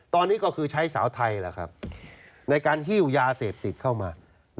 ตอนนี้ก็คือใช้สาวไทยในการหิ้วยาเสพติดเข้ามา